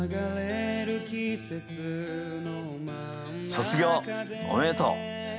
卒業おめでとう！